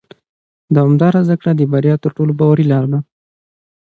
دوامداره زده کړه د بریا تر ټولو باوري لاره ده